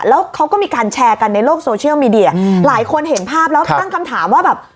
แล้วเขาก็มีการแชร์กันในโลกโซเชียลมีเดียหลายคนเห็นภาพแล้วตั้งคำถามว่าแบบ